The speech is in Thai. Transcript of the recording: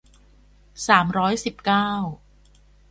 สามร้อยสิบเก้า